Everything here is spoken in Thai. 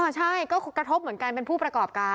ใช่ก็กระทบเหมือนกันเป็นผู้ประกอบการ